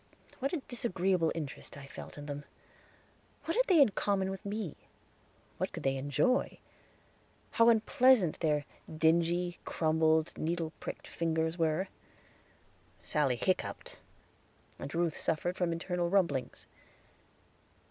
What a disagreeable interest I felt in them! What had they in common with me? What could they enjoy? How unpleasant their dingy, crumbled, needle pricked fingers were! Sally hiccoughed, and Ruth suffered from internal rumblings.